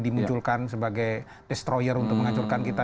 dimunculkan sebagai destroyer untuk menghancurkan kita